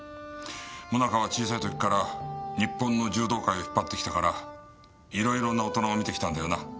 萌奈佳は小さい時から日本の柔道界を引っ張ってきたからいろいろな大人を見てきたんだよな。